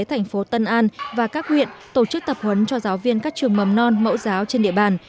thành phố tân an và các huyện tổ chức tập huấn cho giáo viên các trường mầm non mẫu giáo trên địa bàn